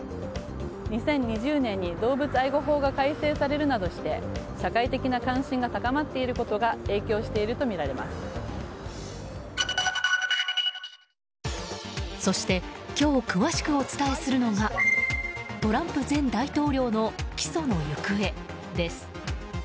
２０２０年に動物愛護法が改正されるなどして社会的な関心が高まっていることがそして、今日詳しくお伝えするのがトランプ前大統領の起訴の行方です。